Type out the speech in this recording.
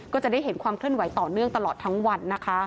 ก็จะได้เห็นความเคลื่อนไหวต่อเนื่องตลอดทั้งวันนะคะ